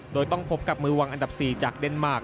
โดยต้องพบกับมือวางอันดับ๔จากเดนมาร์ค